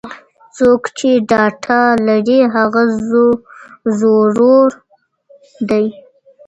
څوک چې ډاټا لري هغه زورور دی.